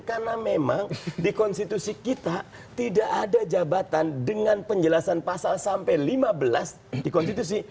karena memang di konstitusi kita tidak ada jabatan dengan penjelasan pasal sampai lima belas di konstitusi